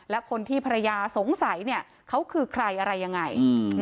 และคนที่ภรรยาสงสัยเนี่ยเขาคือใครอะไรยังไง